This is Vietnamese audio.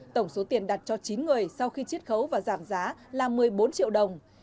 tổng số tiền đặt cho chín người sau khi chiết khấu và giảm giá là một mươi bốn triệu đồng